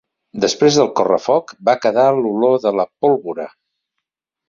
Després del correfoc va quedar l'olor de la pólvora.